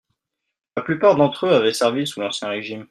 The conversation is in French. La plupart d'entre eux avaient servi sous l'ancien régime.